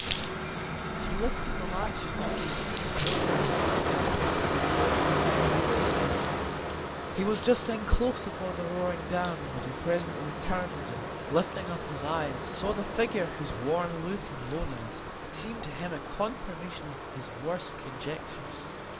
She lifted the latch of the gate and walked in slowly. Tom did not hear the gate; he was just then close upon the roaring dam; but he presently turned, and lifting up his eyes, saw the figure whose worn look and loneliness seemed to him a confirmation of his worst conjectures.